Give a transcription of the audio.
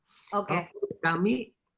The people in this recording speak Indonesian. kalau menurut kami